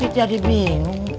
bikin jadi bingung